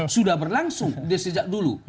sudah berlangsung sejak dulu